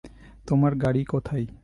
তোমার গাড়ি কোথায়?